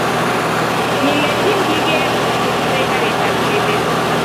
Kile Kim kigeer kip kochute garitab chebet